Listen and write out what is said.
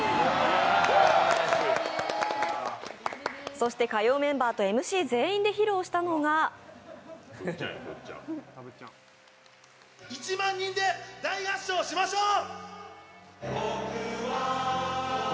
そして火曜メンバーとＭＣ全員で披露したのが１万人で大合唱しましょう！